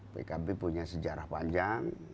pkb punya sejarah panjang